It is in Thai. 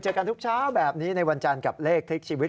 กันทุกเช้าแบบนี้ในวันจันทร์กับเลขคลิกชีวิต